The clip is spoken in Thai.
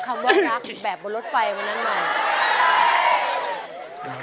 คำว่ารักแบบบนรถไฟวันนั้นหน่อย